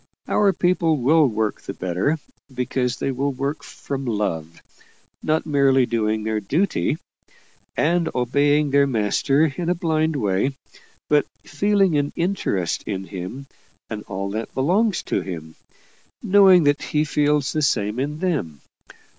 Our people will work the better, because they will work from love. Not merely doing their duty, and obeying their master in a blind way, but feeling an interest in him and all that belongs to him; knowing that he feels the same in them.